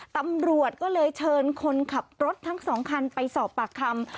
ตำรวจก็เลยเชิญคนขับรถทั้ง๒คันไปสอบปากคำ